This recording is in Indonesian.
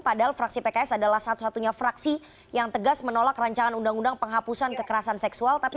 padahal fraksi pks adalah satu satunya fraksi yang tegas menolak rancangan undang undang penghapusan kekerasan seksual